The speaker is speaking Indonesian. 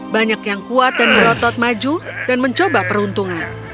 banyak yang kuat dan berotot maju dan mencoba peruntungan